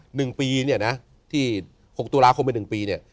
หนึ่งปีเนี่ยนะที่หกตุลาคมไปหนึ่งปีเนี่ย